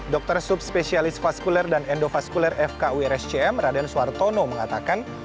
dokter subspesialis vaskuler dan endovaskuler fkurscm raden suartono mengatakan